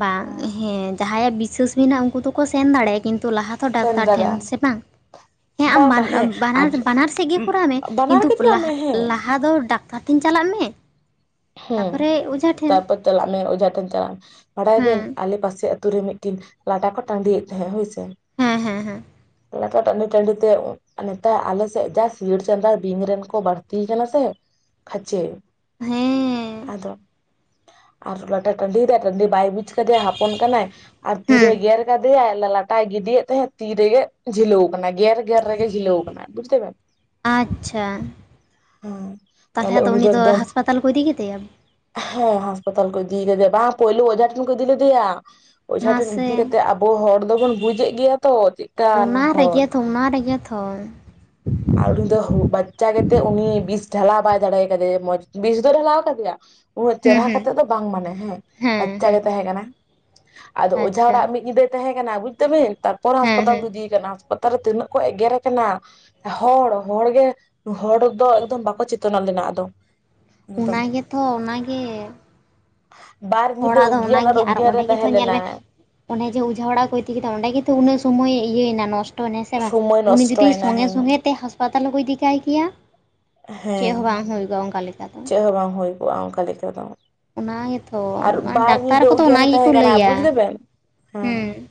ᱵᱟᱝ ᱦᱮᱸ ᱡᱟᱦᱟᱸᱭᱟᱜ ᱵᱤᱥᱟᱹᱥ ᱢᱮᱱᱟᱜ ᱩᱱᱠᱩ ᱫᱚᱠᱚ ᱥᱮᱱ ᱫᱟᱲᱮᱭᱟᱜᱼᱟ ᱠᱤᱱᱛᱩ ᱞᱟᱦᱟᱛᱮ ᱫᱚ ᱥᱮᱱ ᱰᱟᱠᱛᱟᱨ ᱴᱷᱮᱱ ᱫᱟᱲᱮᱭᱟᱜ ᱥᱮ ᱵᱟᱝ ᱾ ᱦᱮᱸ ᱟᱢ ᱵᱟᱝ ᱵᱟᱱ ᱵᱟᱝ ᱦᱮᱸ ᱵᱟᱱᱟᱨ ᱟᱨ ᱵᱟᱱᱟᱨ ᱥᱮᱫ ᱜᱮ ᱠᱚᱨᱟᱣ ᱢᱮ ᱵᱟᱱᱟᱨ ᱠᱤᱱᱛᱩ ᱜᱮ ᱪᱟᱞᱟᱜ ᱞᱟᱦᱟ ᱢᱮ ᱦᱮᱸ ᱞᱟᱦᱟ ᱫᱚ ᱵᱟᱠ ᱴᱟᱨ ᱴᱷᱮᱱ ᱪᱟᱞᱟᱜ ᱢᱮ ᱦᱮᱸ ᱛᱟᱯᱚᱨᱮ ᱚᱡᱷᱟ ᱴᱷᱮᱱ ᱛᱟᱨᱯᱚᱨ ᱪᱟᱞᱟᱜ ᱢᱮ ᱚᱡᱷᱟ ᱴᱷᱮᱱ ᱪᱟᱞᱟᱜ ᱢᱮ ᱵᱟᱲᱟᱭ ᱦᱮᱸ ᱵᱮᱱ ᱟᱞᱮ ᱯᱟᱥᱮ ᱟᱹᱛᱩ ᱨᱮ ᱢᱤᱫᱴᱤᱱ ᱞᱟᱴᱟ ᱠᱚ ᱴᱟᱺᱰᱤᱭᱮᱫ ᱛᱟᱦᱮᱸᱜ ᱦᱳᱭᱥᱮ ᱦᱮᱸ ᱦᱮᱸ ᱦᱮᱸ ᱾ ᱞᱟᱴᱟ ᱴᱟᱺᱰᱤ ᱴᱟᱺᱰᱤ ᱛᱮ ᱱᱮᱛᱟᱨ ᱟᱞᱮᱥᱮᱫ ᱡᱟ ᱥᱤᱭᱟᱹᱟᱹᱲ ᱪᱟᱸᱫᱟ ᱵᱤᱧ ᱨᱮᱱ ᱠᱚ ᱵᱟᱹᱲᱛᱤ ᱠᱟᱱᱟ ᱥᱮ ᱠᱷᱟᱪᱮ ᱦᱮᱸ ᱾ ᱟᱫᱚ ᱟᱨ ᱞᱟᱴᱟ ᱴᱟᱺᱰᱤ [unintelligible] ᱵᱟᱭ ᱪᱮᱠᱟᱫᱮᱟᱭ ᱦᱚᱯᱚᱱ ᱠᱟᱱᱟᱭ ᱟᱨ ᱛᱤᱨᱮ ᱦᱮᱸ ᱜᱮᱨ ᱠᱟᱫᱮᱭᱟᱭ ᱛᱟᱭ ᱜᱤᱰᱤᱭᱮᱫ ᱛᱟᱦᱮᱸᱜ ᱛᱤ ᱨᱮᱜᱮ ᱡᱷᱤᱞᱟᱹᱣ ᱟᱠᱟᱱᱟ ᱜᱮᱨ ᱜᱮᱨ ᱨᱮᱜᱮ ᱡᱷᱤᱞᱟᱹᱣ ᱟᱠᱟᱱᱟ ᱵᱩᱡᱽ ᱫᱟᱹᱵᱮᱱ ᱾ ᱟᱪᱪᱷᱟ ᱾ ᱦᱮᱸ ᱛᱟᱦᱞᱮ ᱩᱱᱤ ᱫᱚ ᱮᱠᱫᱚᱢ ᱟᱥᱯᱟᱛᱟᱞ ᱠᱚ ᱤᱫᱤ ᱠᱮᱫᱮᱭᱟ? ᱦᱮᱸ ᱦᱟᱸᱯᱟᱛᱟᱞ ᱠᱚ ᱤᱫᱤ ᱠᱟᱫᱮᱭᱟ ᱵᱟᱝ ᱯᱩᱭᱞᱳ ᱚᱡᱷᱟ ᱴᱷᱮᱱ ᱠᱚ ᱤᱫᱤ ᱞᱮᱫᱮᱭᱟ, ᱚᱡᱷᱟ ᱴᱷᱮᱱ ᱤᱫᱤ ᱢᱟᱥᱮ ᱠᱟᱛᱮᱜ ᱟᱵᱚ ᱦᱚᱲ ᱫᱚᱵᱚᱱ ᱵᱩᱡ ᱮᱫ ᱜᱮᱭᱟ ᱛᱚ ᱪᱮᱫ ᱞᱮᱠᱟᱱ ᱦᱚᱲ ᱡᱮᱜᱮ ᱛᱚᱝᱜ ᱟᱨ ᱩᱱᱤ ᱫᱚ ᱵᱟᱪᱪᱟ ᱜᱮᱛᱮ ᱩᱱᱤ ᱵᱤᱥ ᱰᱷᱟᱞᱟ ᱵᱟᱭ ᱫᱟᱲᱮ ᱠᱟᱫᱮᱭᱟ ᱢᱚᱸᱡᱽ ᱵᱤᱥ ᱫᱚᱭ ᱰᱷᱟᱞᱟᱣ ᱠᱟᱫᱮᱭᱟ ᱩᱱᱟᱹᱜ ᱦᱩᱸ ᱪᱮᱨᱦᱟ ᱠᱟᱛᱮ ᱦᱩᱸ ᱫᱚ ᱵᱟᱝ ᱢᱟᱱᱮ ᱦᱮᱸ ᱟᱪᱪᱷᱟ ᱜᱮ ᱛᱟᱦᱮᱸ ᱠᱟᱱᱟ ᱟᱫᱚ ᱚᱡᱷᱟ ᱚᱲᱟᱜ ᱟᱪᱪᱷᱟ ᱢᱤᱫ ᱧᱤᱫᱟᱹ ᱛᱟᱦᱮᱸ ᱠᱟᱱᱟ ᱵᱩᱡ ᱫᱟᱵᱮᱱ ᱛᱟᱨᱯᱚᱨ ᱦᱮᱸ ᱦᱟᱸᱥᱯᱟᱛᱟᱞ ᱠᱚ ᱦᱮᱸ ᱤᱫᱤᱭᱮᱠᱟᱱᱟ ᱦᱟᱸᱥᱯᱟᱛᱟᱞ ᱨᱮ ᱛᱤᱱᱟᱹᱜ ᱠᱚ ᱮᱜᱮᱨᱮ ᱠᱟᱱᱟ, ᱦᱚᱲ ᱦᱚᱲ ᱜᱮ ᱦᱚᱲ ᱫᱚ ᱮᱠᱫᱚᱢ ᱵᱟᱠᱚ ᱪᱮᱛᱱᱟᱹᱜ ᱞᱮᱱᱟ ᱟᱫᱚ ᱮᱠᱫᱚᱢ ᱚᱱᱟ ᱜᱮᱛᱚ ᱚᱱᱟᱜᱮ ᱵᱟᱨ ᱧᱤᱫᱟᱹ ᱦᱚᱲᱟᱜ ᱫᱚ ᱚᱜᱽᱜᱮᱭᱟᱱ ᱚᱱᱟᱜᱮ ᱟᱨ ᱚᱜᱽᱜᱮᱭᱟᱱ ᱨᱮ ᱚᱸᱰᱮ ᱜᱮᱛᱚ ᱛᱟᱦᱮᱸ ᱧᱮᱞ ᱢᱮ ᱞᱮᱱᱟᱭ ᱚᱱᱮ ᱡᱮ ᱚᱡᱷᱟ ᱚᱲᱟᱜ ᱠᱚ ᱤᱫᱤ ᱠᱮᱫᱟ ᱚᱸᱰᱮ ᱜᱮᱛᱚ ᱩᱱᱟᱹᱜ ᱥᱚᱢᱚᱭ ᱤᱭᱟᱹᱭᱮᱱᱟ ᱱᱚᱥᱴᱚ ᱱᱚᱥᱴᱚ ᱮᱱᱟ ᱥᱮ ᱵᱟᱝ ᱥᱚᱢᱚᱭ ᱩᱱᱤ ᱡᱩᱫᱤ ᱱᱚᱥᱴᱚᱭᱮᱱᱟ ᱥᱚᱸᱜᱮ ᱦᱮᱸ ᱥᱚᱸᱜᱮ ᱛᱮ ᱦᱟᱸᱥ ᱦᱟᱸᱥᱯᱟᱛᱟᱞ ᱦᱚᱸᱠᱚ ᱤᱫᱤ ᱠᱟᱭ ᱜᱮᱭᱟ ᱪᱮᱫ ᱦᱚᱸ ᱦᱮᱸ ᱵᱟᱝ ᱦᱩᱭ ᱠᱚᱣᱟ ᱚᱱᱠᱟ ᱞᱮᱠᱟ ᱫᱚ ᱾ ᱪᱮᱫ ᱵᱟᱝ ᱦᱩᱭ ᱠᱚᱜᱼᱟ ᱚᱱᱠᱟ ᱞᱮᱠᱟ ᱫᱚ᱾ ᱚᱱᱟ ᱜᱮᱛᱚ ᱟᱨ ᱵᱟᱨ ᱰᱟᱠᱛᱟᱨ ᱧᱤᱫᱟᱹ ᱠᱚᱫᱚ ᱚᱱᱟ ᱚᱜᱽᱜᱟᱱᱮ ᱜᱮᱠᱚ ᱛᱟᱦᱮᱸ ᱠᱟᱱᱟ ᱞᱟᱹᱭᱟ ᱵᱩᱡ ᱫᱟᱵᱮᱱ ᱦᱮᱸ᱾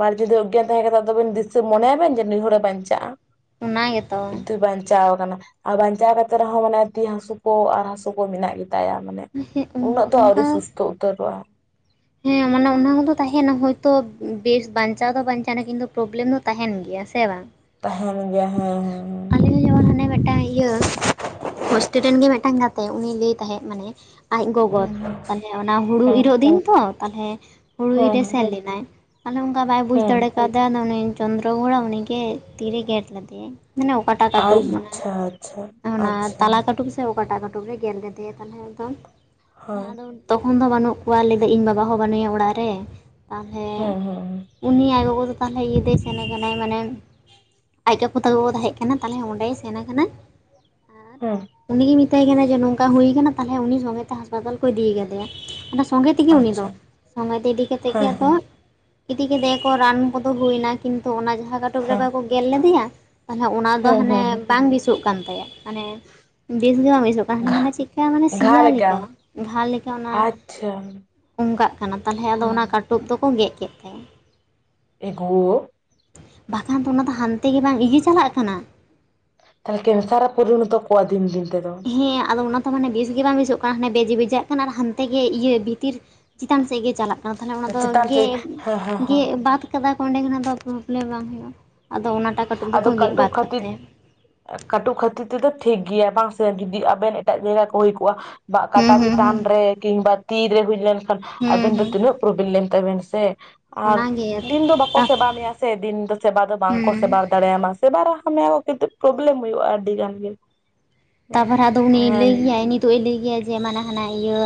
ᱵᱟᱨ ᱧᱤᱫᱟᱹ ᱚᱜᱭᱟᱱ ᱛᱟᱦᱮᱸ ᱠᱟᱱᱟ ᱫᱤᱥᱟᱹ ᱢᱚᱱᱮᱭᱟ ᱵᱮᱱ ᱡᱮ ᱱᱩᱭ ᱦᱚᱲᱮ ᱵᱟᱧᱪᱟᱜᱼᱟ᱾ ᱚᱱᱟ ᱜᱮᱛᱚ ᱠᱤᱱᱛᱩ ᱵᱟᱧᱪᱟᱣ ᱟᱠᱟᱱᱟ᱾ ᱟᱨ ᱵᱟᱧᱪᱟᱣ ᱠᱟᱛᱮ ᱨᱮᱦᱚᱸ ᱢᱟᱱᱮ ᱛᱤ ᱦᱟᱹᱥᱩ ᱠᱚ ᱟᱨ ᱦᱟᱹᱥᱩ ᱠᱚ ᱢᱮᱱᱟᱜ ᱜᱮᱛᱟᱭᱟ ᱢᱟᱱᱮ ᱩᱱᱟᱹᱜ ᱫᱚ ᱟᱹᱣᱨᱤ ᱚᱱᱠᱟ ᱥᱩᱥᱛᱚ ᱩᱛᱟᱹᱨᱚᱜᱼᱟ᱾ ᱦᱮᱸ ᱢᱟᱱᱮ ᱚᱱᱟ ᱠᱚᱫᱚ ᱛᱟᱦᱮᱱᱟ ᱦᱚᱭᱛᱚ ᱵᱮᱥ ᱵᱟᱧᱪᱟᱣ ᱫᱚ ᱵᱟᱧᱪᱟᱣ ᱮᱱᱟ ᱠᱤᱱᱛᱩ ᱯᱨᱚᱵᱞᱮᱢ ᱫᱚ ᱛᱟᱦᱮᱱ ᱜᱮᱭᱟ ᱥᱮ ᱵᱟᱝ᱾ ᱛᱟᱦᱮᱱ ᱜᱮᱭᱟ ᱦᱮᱸ ᱦᱮᱸ ᱦᱮᱸ ᱟᱞᱮ ᱡᱮᱢᱚᱱ ᱦᱟᱱᱮ ᱢᱤᱫᱴᱟᱝ ᱤᱭᱟᱹ ᱦᱳᱥᱴᱮᱞ ᱨᱮᱱ ᱜᱮ ᱢᱤᱫᱴᱟᱱ ᱜᱟᱛᱮ ᱩᱱᱤ ᱞᱟᱹᱭ ᱛᱟᱦᱮᱸᱫ ᱢᱟᱱᱮ ᱟᱡ ᱜᱚᱜᱚ ᱦᱮᱸ ᱛᱟᱦᱚᱞᱮ ᱚᱱᱟ ᱦᱩᱲᱩ ᱦᱮᱸ ᱤᱨᱚᱜ ᱫᱤᱱ ᱛᱚ ᱛᱟᱦᱞᱮ ᱦᱩᱲᱩ ᱦᱮᱸ ᱤᱨᱚᱜ ᱮ ᱥᱮᱱ ᱞᱮᱱᱟᱭ᱾ ᱛᱟᱞᱮ ᱚᱱᱠᱟ ᱵᱟᱭ ᱵᱩᱡᱽ ᱦᱮᱸ ᱫᱟᱲᱮ ᱠᱟᱣᱫᱟ ᱟᱫᱚ ᱩᱱᱤ ᱪᱚᱱᱫᱨᱚ ᱵᱚᱲᱟ ᱩᱱᱤᱜᱮ ᱛᱤᱨᱮ ᱜᱮᱨ ᱞᱮᱫᱮᱭᱟᱭ᱾ ᱢᱟᱱᱮ ᱚᱠᱟᱴᱟᱜ ᱠᱟᱹᱴᱩᱵ ᱢᱟᱱᱮ ᱟᱪᱪᱷᱟ ᱟᱪᱪᱷᱟ ᱚᱱᱟ ᱟᱪᱪᱷᱟ ᱛᱟᱞᱟ ᱠᱟᱹᱴᱩᱵ ᱥᱮ ᱚᱠᱟᱴᱟᱜ ᱠᱟᱹᱴᱩᱵ ᱨᱮ ᱜᱮᱨ ᱞᱮᱫᱮᱭᱟ ᱛᱟᱦᱚᱞᱮ ᱟᱫᱚ ᱦᱮᱸ ᱦᱳᱭ ᱟᱫᱚ ᱛᱚᱠᱷᱚᱱ ᱫᱚ ᱵᱟᱹᱱᱩᱜ ᱠᱚᱣᱟ ᱞᱟᱹᱭᱟ ᱤᱧ ᱵᱟᱵᱟ ᱦᱚᱸ ᱵᱟᱹᱱᱩᱭᱟ ᱚᱲᱟᱜ ᱨᱮ ᱛᱟᱦᱚᱞᱮ ᱦᱮᱸ ᱦᱮᱸ ᱩᱱᱤ ᱟᱡ ᱜᱚᱜᱚ ᱫᱚ ᱛᱟᱦᱚᱞᱮ ᱤᱭᱟᱹ ᱛᱮ ᱥᱮᱱ ᱠᱟᱱᱟᱭ ᱢᱟᱱᱮ ᱟᱡ ᱠᱟᱠᱩ ᱛᱟᱠᱚ ᱠᱚ ᱛᱟᱦᱮᱸ ᱠᱟᱱᱟ ᱛᱟᱦᱚᱞᱮ ᱚᱸᱰᱮᱭ ᱥᱮᱱ ᱟᱠᱟᱱᱟ᱾ ᱦᱮᱸ ᱩᱱᱤᱜᱮᱭ ᱢᱮᱛᱟᱭ ᱠᱟᱱᱟ ᱡᱮ ᱱᱚᱝᱠᱟ ᱦᱩᱭ ᱠᱟᱱᱟ ᱛᱟᱦᱚᱞᱮ ᱩᱱᱤ ᱥᱚᱸᱜᱮᱛᱮ ᱦᱟᱸᱥᱯᱟᱛᱟᱞ ᱠᱚ ᱤᱫᱤ ᱟᱠᱟᱫᱮᱭᱟ [unintelligible] ᱥᱚᱸᱜᱮ ᱛᱮᱜᱮ ᱩᱱᱤ ᱫᱚ ᱟᱪᱪᱷᱟ ᱥᱚᱸᱜᱮ ᱛᱮ ᱤᱫᱤ ᱠᱟᱛᱮ ᱜᱮ ᱦᱮᱸ ᱟᱫᱚ ᱦᱮᱸ ᱜᱤᱫᱤ ᱠᱮᱫᱮᱭᱟᱠᱚ ᱨᱟᱱ ᱠᱚᱫᱚ ᱦᱩᱭᱱᱟ ᱠᱤᱱᱛᱩ ᱚᱱᱟ ᱡᱟᱦᱟᱸ ᱠᱟᱴᱚᱠ ᱨᱮ ᱵᱟᱠᱚ [unintelligible] ᱞᱮᱫᱮᱭᱟ ᱛᱟᱦᱚᱞᱮ ᱚᱱᱟ ᱫᱚ ᱦᱟᱱᱮ ᱵᱟᱝ ᱵᱮᱥᱚᱜ ᱠᱟᱱ ᱛᱟᱭᱟ᱾ ᱢᱟᱱᱮ ᱵᱮᱥᱜᱮ ᱵᱟᱝ ᱵᱮᱥᱚᱜ ᱠᱟᱱᱟ ᱢᱟᱱᱮ ᱪᱮᱫ ᱞᱮᱠᱟ ᱢᱟᱱᱮ ᱥᱮᱭᱟ ᱞᱮᱠᱟ᱾ ᱜᱷᱟ ᱞᱮᱠᱟ ᱚᱱᱟ ᱚᱝᱠᱟᱜ ᱠᱟᱱᱟ ᱛᱟᱦᱚᱞᱮ ᱟᱫᱚ ᱚᱱᱟ ᱦᱮᱸ ᱠᱟ ᱴᱩᱵ ᱫᱚᱠᱚ ᱜᱮᱫ ᱠᱮᱫ ᱛᱟᱭᱟ᱾ ᱮ ᱜᱳ ᱵᱟᱠᱷᱟᱱ ᱫᱚ ᱚᱱᱟ ᱫᱚ ᱦᱟᱱᱛᱮ ᱜᱮ ᱵᱟᱝ ᱜᱮ ᱤᱭᱟᱹ ᱪᱟᱞᱟᱜ ᱠᱟᱱᱟ᱾ ᱛᱟᱦᱚᱞᱮ ᱠᱮᱱᱥᱟᱨ ᱮ ᱯᱚᱨᱤᱱᱚᱛ ᱠᱚᱣᱟ ᱫᱤᱱ ᱫᱤᱱ ᱛᱮᱫᱚ᱾ ᱦᱮᱸ ᱟᱫᱚ ᱚᱱᱟᱛᱚ ᱢᱟᱱᱮ ᱵᱮᱥ ᱜᱮ ᱵᱟᱝ ᱵᱮᱥᱚᱜ ᱠᱟᱱᱟ ᱦᱟᱱᱮ ᱵᱮᱡᱽ ᱵᱮᱡᱟᱜ ᱠᱟᱱᱟ ᱟᱨ ᱦᱟᱱᱛᱮ ᱜᱮ ᱤᱭᱟᱹ ᱵᱷᱤᱛᱤᱨ ᱪᱮᱛᱟᱱ ᱥᱮᱫ ᱜᱮ ᱪᱟᱞᱟᱜ ᱠᱟᱱᱟ ᱛᱟᱦᱚᱞᱮ ᱚᱱᱟᱫᱚ ᱪᱮᱛᱟᱱ ᱥᱮᱫ ᱜᱮᱫ ᱦᱮᱸ ᱦᱮᱸ ᱜᱮᱫ ᱦᱮᱸ ᱵᱟᱫᱽ ᱮᱫ ᱠᱟᱫᱟ ᱠᱚ ᱚᱸᱰᱮ ᱠᱷᱚᱱᱟᱜ ᱫᱚ ᱯᱨᱚᱵᱞᱮᱢ ᱵᱟᱝ ᱦᱩᱭᱩᱜᱼᱟ ᱟᱫᱚ ᱚᱱᱟᱴᱟᱜ ᱠᱟᱹᱴᱩᱵ ᱫᱚᱠᱚ ᱟᱫᱚ ᱜᱮᱫ ᱠᱟᱹᱴᱩᱵ ᱵᱟᱫᱽ ᱠᱟᱜ ᱠᱷᱟᱹᱛᱤᱨ ᱛᱟᱭᱟ᱾ ᱠᱟᱹᱴᱩᱵ ᱠᱷᱟᱹᱛᱤᱨ ᱛᱮᱫᱚ ᱴᱷᱤᱠ ᱜᱮᱭᱟ ᱵᱟᱝ ᱥᱮ ᱡᱩᱫᱤ ᱟᱵᱮᱱ ᱮᱴᱟᱜ ᱡᱟᱭᱜᱟ ᱠᱚ ᱦᱩᱭ ᱠᱚᱣᱟᱜ ᱵᱟ ᱦᱩᱸ ᱠᱟᱴᱟ ᱦᱩᱸ ᱪᱮᱛᱟᱱ ᱦᱩᱸ ᱨᱮ ᱠᱤᱝᱵᱟ ᱛᱤᱨᱮ ᱦᱩᱭ ᱞᱮᱱᱠᱷᱟᱱ ᱦᱩᱸ ᱟᱵᱮᱱ ᱫᱚ ᱦᱩᱸ ᱛᱤᱱᱟᱹᱜ ᱯᱨᱚᱵᱞᱮᱢ ᱛᱟᱵᱮᱱ ᱥᱮ ᱟᱨ ᱚᱱᱟᱜᱮ ᱫᱤᱱ ᱫᱚ ᱵᱟᱠᱚ ᱛᱟ ᱥᱮᱵᱟ ᱢᱮᱭᱟ ᱥᱮ ᱫᱤᱱ ᱫᱚ ᱥᱮᱵᱟ ᱫᱚ ᱵᱟᱝ ᱠᱚ ᱦᱩᱸ ᱥᱮᱵᱟ ᱫᱟᱲᱮᱭᱟᱢᱟ ᱥᱮᱵᱟ ᱢᱮᱭᱟ ᱠᱚ ᱠᱤᱱᱛᱩ ᱯᱨᱚᱵᱞᱮᱢ ᱦᱩᱭᱩᱜᱼᱟ ᱟᱹᱰᱤ ᱜᱟᱱ ᱜᱮ᱾ ᱛᱟᱯᱚᱨᱮ ᱟᱫᱚ ᱩᱱᱤ ᱞᱟᱹᱭ ᱦᱮᱸ ᱜᱮᱭᱟᱭ ᱱᱤᱛᱚᱜ ᱮ ᱞᱟᱹᱭ ᱜᱮᱭᱟ ᱡᱮ ᱢᱟᱱᱮ ᱦᱟᱱᱟ ᱤᱭᱟᱹ